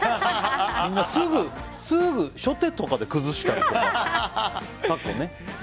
みんな、すぐ初手とかで崩したり。